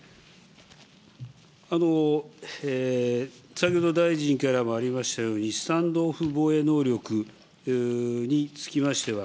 先ほど大臣からもありましたように、スタンド・オフ防衛能力につきましては、